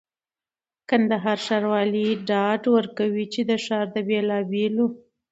کندهار ښاروالي ډاډ ورکوي چي د ښار د بېلابېلو